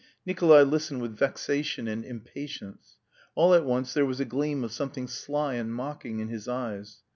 Nikolay listened with vexation and impatience. All at once there was a gleam of something sly and mocking in his eyes.